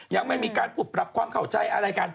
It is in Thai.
ยังไม่มีการพูดปรับความเข้าใจอะไรกัน